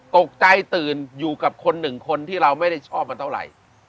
ตกใจตื่นอยู่กับคนหนึ่งคนที่เราไม่ได้ชอบมันเท่าไหร่